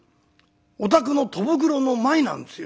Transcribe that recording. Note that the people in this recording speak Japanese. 「お宅の戸袋の前なんですよ。